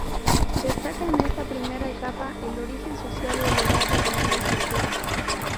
Destaca en esta primera etapa el origen social elevado de ambos autores.